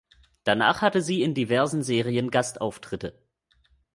Danach hatte sie in diversen Serien Gastauftritte.